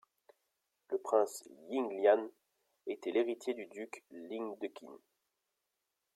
Le prince Ying Lian était l'héritier du duc Ling de Qin.